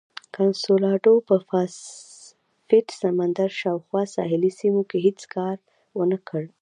کنسولاډو په پاسفیک سمندر شاوخوا ساحلي سیمو کې هېڅ کار ونه کړ.